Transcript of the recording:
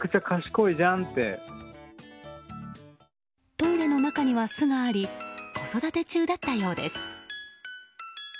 トイレの中には巣があり子育て中だったようです。